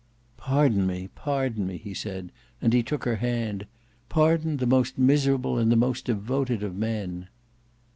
"Pardon me, pardon me," he said, and he took her hand. "Pardon the most miserable and the most devoted of men!"